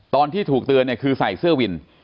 ตอนที่ถูกเตือนเนี่ยคือใส่เสื้อวิน